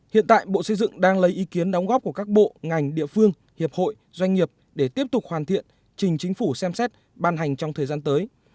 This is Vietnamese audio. hiện tại bộ xây dựng đang lấy ý kiến đóng góp của các bộ ngành địa phương hiệp hội doanh nghiệp để tiếp tục hoàn thiện trình chính phủ xem xét ban hành trong thời gian tới